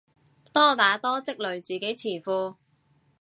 多打多積累自己詞庫